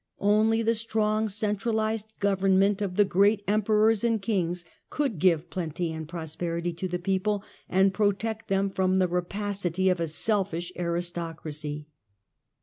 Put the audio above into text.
Only the strong centralized government of the great Emperors and kings could give plenty and prosperity to the people, and protect them from the rapacity of a selfish aristocracy.